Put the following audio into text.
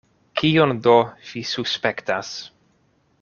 Kion do vi suspektas?